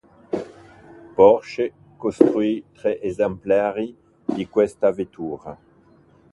Porsche costruì tre esemplari di questa vettura.